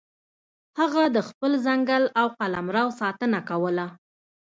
هغه د خپل ځنګل او قلمرو ساتنه کوله.